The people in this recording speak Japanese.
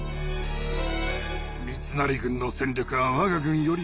三成軍の戦力は我が軍より上。